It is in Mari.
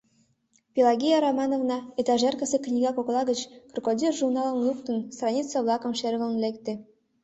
Пелагея Романовна этажеркысе книга кокла гыч «Крокодил» журналым лукто, страница-влакым шерын лекте.